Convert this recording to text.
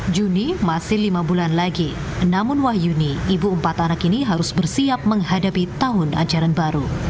juni masih lima bulan lagi namun wahyuni ibu empat anak ini harus bersiap menghadapi tahun ajaran baru